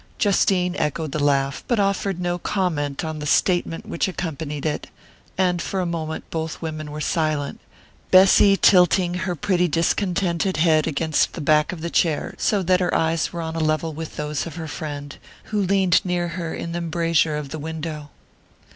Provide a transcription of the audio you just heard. Justine echoed the laugh, but offered no comment on the statement which accompanied it, and for a moment both women were silent, Bessy tilting her pretty discontented head against the back of the chair, so that her eyes were on a level with those of her friend, who leaned near her in the embrasure of the window.